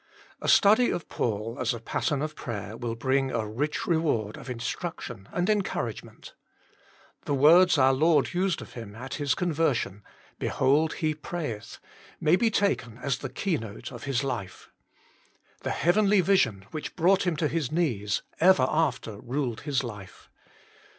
A study of Paul as a pattern of prayer will bring a rich reward of instruction and encouragement. The words our Lord used of him at his conversion, " Behold he prayeth," may be taken as the keynote of his life. The heavenly PAUL A PATTEKN OF PKAYER 157 vision which brought him to his knees ever after ruled his life.